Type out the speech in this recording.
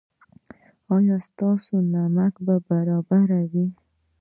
ایا ستاسو نمک به برابر وي؟